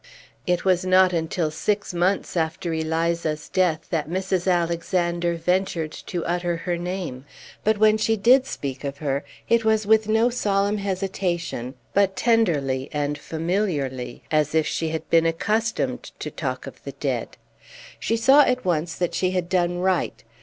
It was not until six months after Eliza's death that Mrs. Alexander ventured to utter her name; but when she did speak of her, it was with no solemn hesitation, but tenderly and familiarly, as if she had been accustomed to talk of the dead. She saw at once that she had done right.